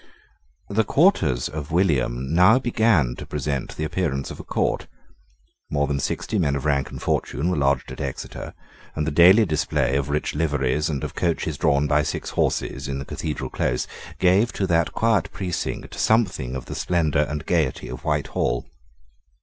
The quarters of William now began to present the appearance of a court. More than sixty men of rank and fortune were lodged at Exeter; and the daily display of rich liveries, and of coaches drawn by six horses, in the Cathedral Close, gave to that quiet precinct something of the splendour and gaiety of Whitehall.